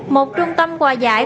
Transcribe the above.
một trung tâm quà giải